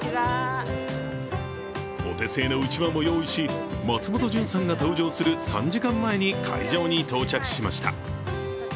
お手製のうちわも用意し、松本潤さんが登場する３時間前に会場に到着しました。